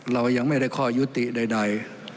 เรายังไม่ได้ข้อยุติใด